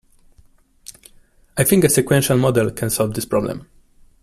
I think a sequential model can solve this problem.